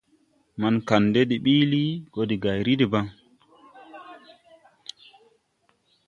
Maŋ Kandɛ de biili, go de gayri debaŋ.